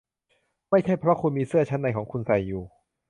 ไม่ใช่เพราะคุณมีเสื้อชั้นในของคุณใส่อยู่